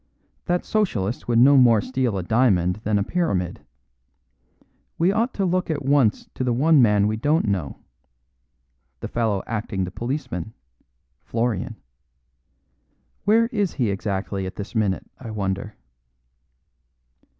That Socialist would no more steal a diamond than a Pyramid. We ought to look at once to the one man we don't know. The fellow acting the policeman Florian. Where is he exactly at this minute, I wonder."